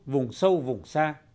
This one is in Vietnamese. vùng sâu vùng xa